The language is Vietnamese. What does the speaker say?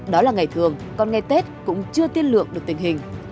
đó là ngày thường còn ngày tết cũng chưa tiên lượng được tình hình